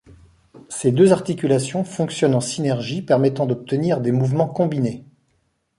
Ces deux articulations fonctionnent en synergie permettant d'obtenir des mouvements combinés.